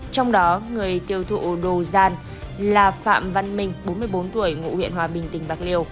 trong đó người tiêu thụ đồ gian là phạm văn minh bốn mươi bốn tuổi ngụ huyện hòa bình tỉnh bạc liêu